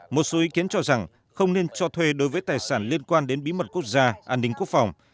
một số ý kiến cho rằng không nên cho thuê đối với tài sản liên quan đến bí mật quốc gia an ninh quốc phòng